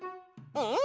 うん。